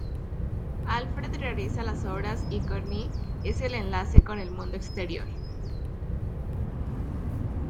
Alfred realiza las obras y Corinne es el enlace con el mundo exterior.